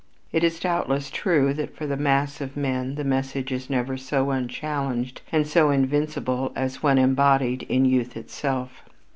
It is doubtless true that for the mass of men the message is never so unchallenged and so invincible as when embodied in youth itself.